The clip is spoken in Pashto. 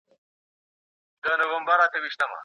وطن د هر فرد د مسولیتونو مرکز دی.